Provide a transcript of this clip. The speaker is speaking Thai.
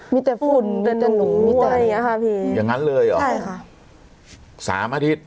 มีแต่ฝุ่นมีแต่หนูมีแต่อะไรอย่างงั้นเลยอ่ะใช่ค่ะสามอาทิตย์